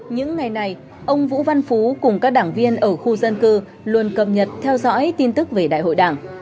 những ngày này ông vũ văn phú cùng các đảng viên ở khu dân cư luôn cập nhật theo dõi tin tức về đại hội đảng